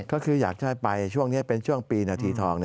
ก็คืออยากจะให้ไปช่วงนี้เป็นช่วงปีนาทีทอง